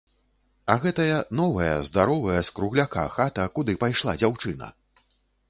А гэтая, новая, здаровая, з кругляка хата, куды пайшла дзяўчына!